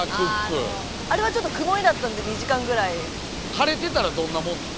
晴れてたらどんなもんなん？